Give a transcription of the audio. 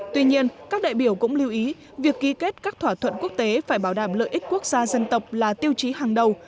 tuy nhiên các đại biểu cũng lưu ý việc ghi kết các thỏa thuận quốc tế phải bảo đảm lợi ích quốc gia dân tộc là tiêu chí hàng đầu